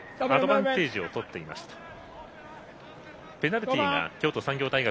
アドバンテージをみていました。